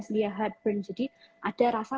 sendiri heartburn jadi ada rasa